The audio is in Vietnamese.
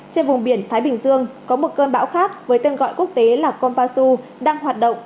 trên vùng biển thái bình dương có một cơn bão khác với tên gọi quốc tế là konpasu đang hoạt động